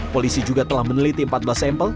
polisi juga telah meneliti empat belas sampel